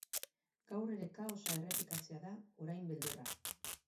Gaur ere kaosa errepikatzea da orain beldurra.